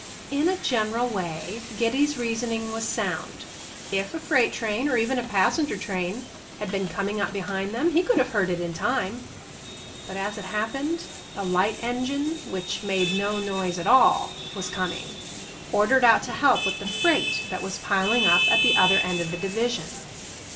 In a general way, Giddy's reasoning was sound. If a freight train, or even a passenger train, had been coming up behind them, he could have heard it in time. But as it happened, a light engine, which made no noise at all, was coming,—ordered out to help with the freight that was piling up at the other end of the division.